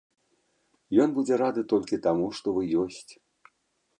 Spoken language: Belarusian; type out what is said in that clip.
Ён будзе рады толькі таму, што вы ёсць.